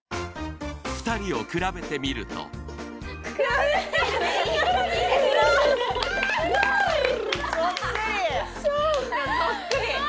２人を比べてみるとそっくり！